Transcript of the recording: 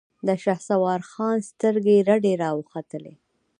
د شهسوار خان سترګې رډې راوختې.